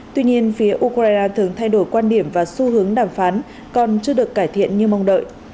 tuy nhiên phía ukraine thường thay đổi quan điểm và xu hướng đàm phán còn chưa được cải thiện như mong đợi